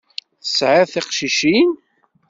Tesɛiḍ tiqcicin?